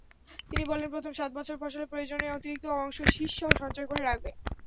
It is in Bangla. তিনি বললেন, প্রথম সাত বছরের ফসলের প্রয়োজনের অতিরিক্ত অংশ শীষসহ সঞ্চয় করে রাখবে।